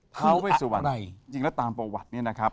ท้าเวทศุวรรณล่ะจริงแล้วตามประวัตินะครับ